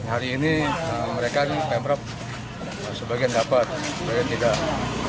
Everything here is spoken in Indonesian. hari ini mereka ini pemprov sebagian dapat sebagian tidak